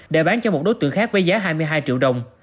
để bán cho một đối tượng khác với giá hai mươi hai triệu đồng